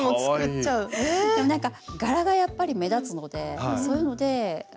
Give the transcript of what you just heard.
なんか柄がやっぱり目立つのでそういうのであの。